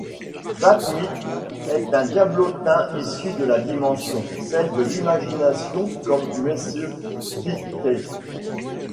Bat-Mite est un diablotin issue de la dimension, celle de l'imagination, comme Mr Mxyztplk.